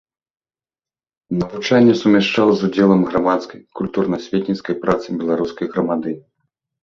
Навучанне сумяшчаў з удзелам у грамадскай, культурна-асветніцкай працы беларускай грамады.